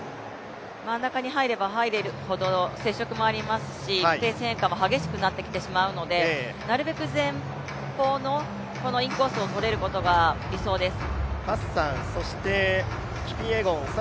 真ん中に入れば入るほど接触もありますしペース変化も激しくなってきてしまうので、なるべく前方のインコースを取れることが理想です。